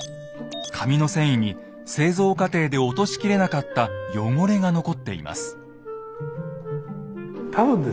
紙の繊維に製造過程で落としきれなかった汚れが残っています。